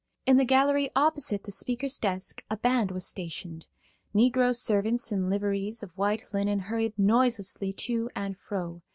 In the gallery opposite the speaker's desk a band was stationed; Negro servants in liveries of white linen hurried noiselessly to and fro.